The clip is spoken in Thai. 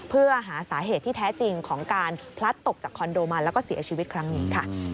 เพื่อหาสาเหตุที่แท้จริงของการพลัดตกจากคอนโดมันแล้วก็เสียชีวิตครั้งนี้ค่ะ